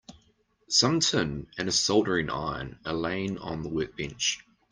Some tin and a soldering iron are laying on the workbench.